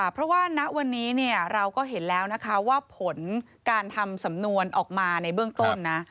เพราะว่าณวันนี้เราก็เห็นแล้วนะคะว่าผลการทำสำนวนออกมาในเบื้องต้นนะ